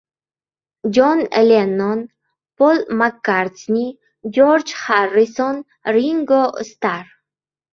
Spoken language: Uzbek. Jon Lennon, Pol Makkartni, Jorj Xarrison, Ringo Star!